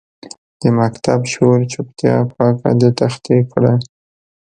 د مکتب شور چوپتیا پاکه د تختې کړه